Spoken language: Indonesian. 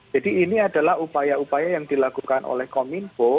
jadi ini adalah upaya upaya yang dilakukan oleh komunfo